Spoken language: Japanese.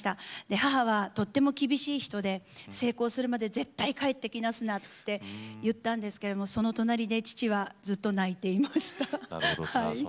母はとても厳しい人で成功するまで絶対帰ってきなすなと言ったんですけど、その隣で父がずっと泣いていました。